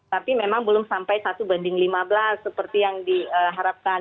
tapi memang belum sampai satu banding lima belas seperti yang diharapkan